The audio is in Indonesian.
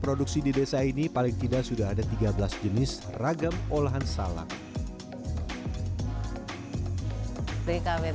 produksi di desa ini paling tidak sudah ada tiga belas jenis ragam olahan salak bkwt terpusul hari itu